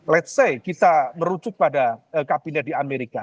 let s say kita merujuk pada kabinet di amerika